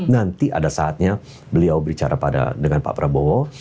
nanti ada saatnya beliau bicara dengan pak prabowo